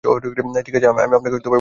ঠিক আছে, আমি আপনাকে বুঝিয়ে বলছি।